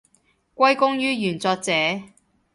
歸功於原作者